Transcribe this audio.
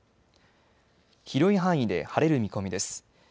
広い範囲で晴れる見込みです。